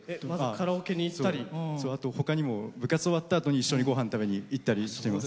カラオケに行ったり他にも部活のあとに一緒にご飯食べに行ったりしてます。